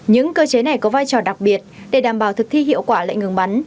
những cơ chế này có vai trò đặc biệt để đảm bảo thực thi hiệu quả lệnh ngừng bắn